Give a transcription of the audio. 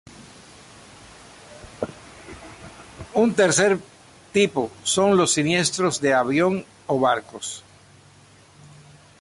Un tercer tipo son los siniestros de avión o barcos.